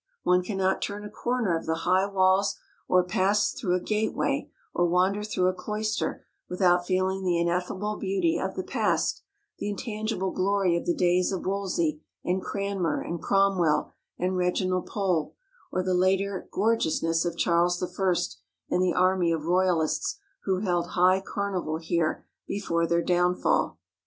One cannot turn a corner of the high walls, or pass through a gateway, or wander through a cloister, without feeling the ineffable beauty of the past, the intangible glory of the days of Wolsey and Cranmer and Cromwell and Reginald Pole, or the later gorgeousness of Charles I and the army of Royalists who held high carnival here before their downfall.